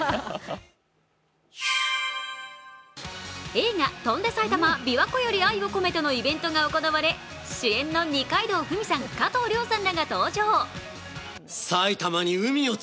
映画「翔んで埼玉琵琶湖より愛をこめて」のイベントが行われ主演の二階堂ふみさん、加藤諒さんらが登場。